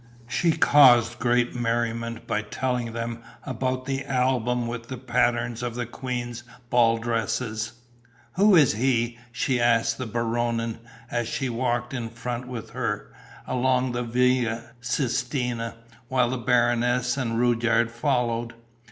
She caused great merriment by telling them about the album with the patterns of the queen's ball dresses. "Who is he?" she asked the Baronin, as she walked in front with her, along the Via Sistina, while the Baronesse and Rudyard followed.